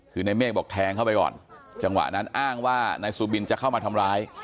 คือในเมฆบอกแทงเข้าไปก่อนจังหวะนั้นอ้างว่านายซูบินจะเข้ามาทำร้าย